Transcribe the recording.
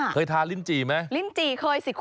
เคยทาลินจีมั้ย